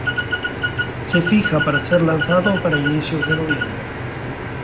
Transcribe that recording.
Se fija para ser lanzado para inicios de noviembre.